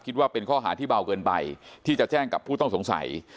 คิดว่าเป็นข้อหาที่เบาเกินไปที่จะแจ้งกับผู้ต้องสงสัย